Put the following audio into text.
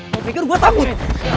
mau figure gue tanggul